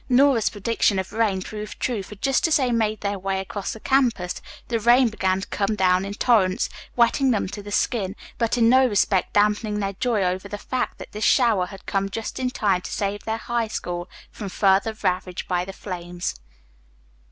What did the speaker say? Nora's prediction of rain proved true, for just as they made their way across the campus the rain began to come down in torrents, wetting them to the skin, but in no respect dampening their joy over the fact that this shower had come just in time to save their High School from further ravage by the flames.